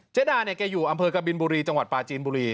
ดาเนี่ยแกอยู่อำเภอกบินบุรีจังหวัดปลาจีนบุรี